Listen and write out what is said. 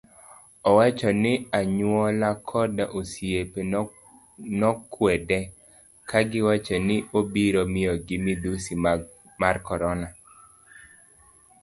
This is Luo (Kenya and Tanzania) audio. Owacho ni anyuola koda osiepe nokwede kagiwacho ni obiro miyo gi midhusi mar korona.